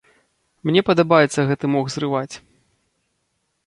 Мне падабаецца гэты мох зрываць.